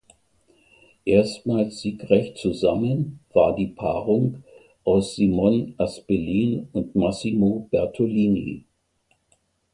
Erstmals siegreich zusammen war die Paarung aus Simon Aspelin und Massimo Bertolini.